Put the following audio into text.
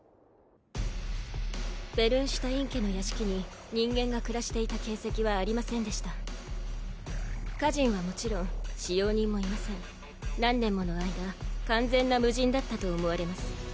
ベルンシュタイン家の屋敷に人間が暮らしていた形跡はありませんでした家人はもちろん使用人もいません何年もの間完全な無人だったと思われます